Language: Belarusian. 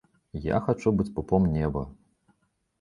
Я хачу быць пупом неба.